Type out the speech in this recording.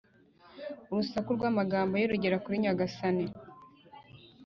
urusaku rw’amagambo ye rugere kuri Nyagasani,